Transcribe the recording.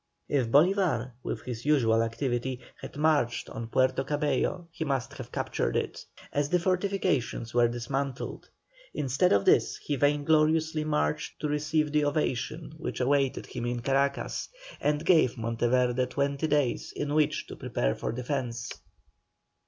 If Bolívar with his usual activity, had marched on Puerto Cabello, he must have captured it, as the fortifications were dismantled. Instead of this, he vaingloriously marched to receive the ovation which awaited him in Caracas, and gave Monteverde twenty days in which to prepare for defence.